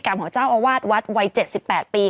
เมื่อ